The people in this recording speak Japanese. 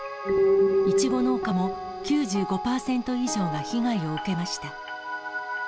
イチゴ農家も９５％以上が被害を受けました。